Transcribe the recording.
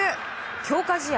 強化試合